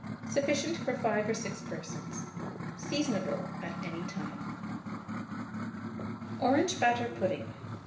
Sufficient for 5 or 6 persons. Seasonable at any time. ORANGE BATTER PUDDING.